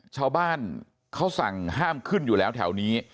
ชาวบ้านเขาสั่งห้ามขึ้นอยู่แล้วแถวนี้